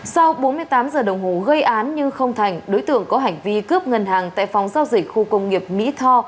sau bốn mươi tám giờ đồng hồ gây án nhưng không thành đối tượng có hành vi cướp ngân hàng tại phóng giao dịch khu công nghiệp mỹ tho